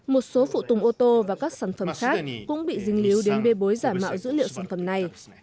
một số phụ tùng ô tô và các sản phẩm khác cũng bị dính líu đến bê bối giả mạo dữ liệu sản phẩm này